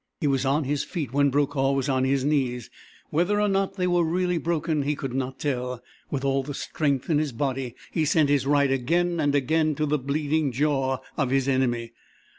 He was on his feet when Brokaw was on his knees. Whether or not they were really broken he could not tell. With all the strength in his body he sent his right again and again to the bleeding jaw of his enemy.